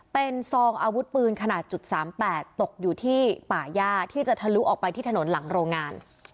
เป็นซองอาวุธปืนขนาด๓๘ตกอยู่ที่ป่าย่าที่จะทะลุออกไปที่ถนนหลังโรงงาน